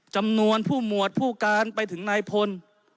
จำนวนผู้หมวดผู้การไปถึงนายพล